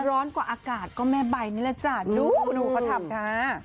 ร้อนกว่าอากาศก็แม่ใบนี่แหละจ้ะดูคุณผู้ของทัพค่ะ